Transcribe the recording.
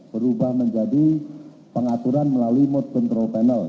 berubah menjadi pengaturan melalui mood control panel